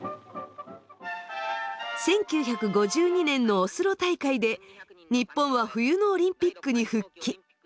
１９５２年のオスロ大会で日本は冬のオリンピックに復帰。